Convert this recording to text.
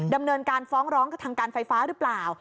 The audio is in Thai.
ดำเนินการฟ้องร้องกับทางการไฟฟ้าหรือเปล่า